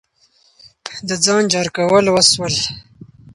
د ځان جار کول وسول.